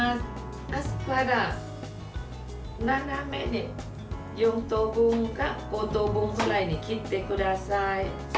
アスパラ、斜めに４等分か５等分くらいに切ってください。